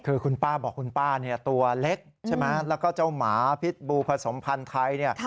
คือคุณป้าบอกคุณป้าตัวเล็กแล้วก็เจ้าหมาพิษบูผสมภัณฑ์ไทย